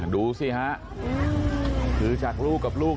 เฮ้ยเฮ้ยเฮ้ยเฮ้ยเฮ้ยเฮ้ยเฮ้ย